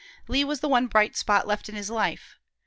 Lee was the one bright spot left in his life.